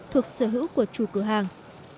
thuộc sở hữu của chủ cửa hàng